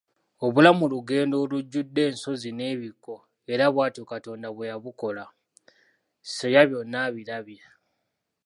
Obulamu lugendo olujjudde ensozi n'ebikko era bw'atyo Katonda bwe yabukola, Seya byona abilabye.